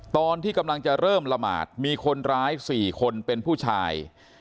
ตอนที่กำลังจะเริ่มละหมาดมีคนร้าย๔คนเป็นผู้ชาย